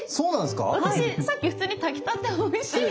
私さっき普通に炊きたておいしいって。